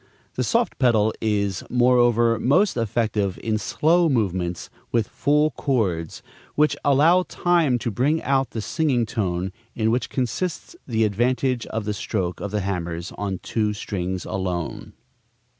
The soft pedal is, moreover, most effective in slow movements with full chords, which allow time to bring out the singing tone, in which consists the advantage of the stroke of the hammers on two strings alone.